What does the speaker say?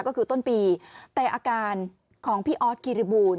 ก็คือต้นปีแต่อาการของพี่ออสกิริบูรณ